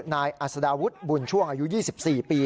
นายอัศดาวุฒิบุญช่วงอายุ๒๔ปี